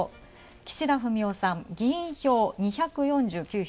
岸田文雄さん、議員票２４９票。